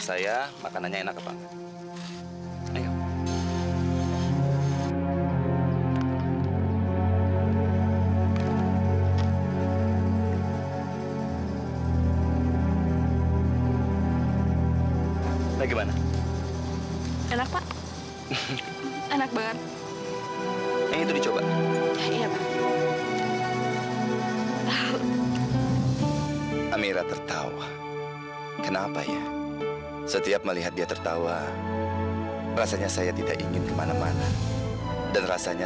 sampai jumpa di video selanjutnya